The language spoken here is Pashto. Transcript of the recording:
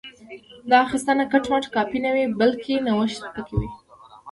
دا اخیستنه کټ مټ کاپي نه وي بلکې نوښت پکې وي